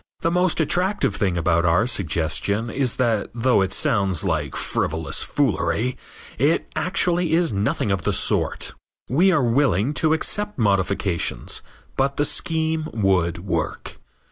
The most attractive thing about our suggestion is that though it sounds like frivolous foolery it actually is nothing of the sort. We are willing to accept modifications, but the scheme would work.